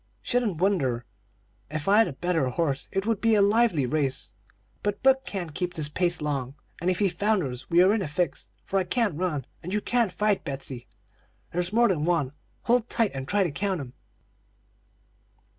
"'Shouldn't wonder. If I had a better horse it would be a lively race; but Buck can't keep this pace long, and if he founders we are in a fix, for I can't run, and you can't fight. Betsey, there's more than one; hold tight and try to count 'em.'